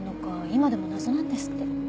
今でも謎なんですって。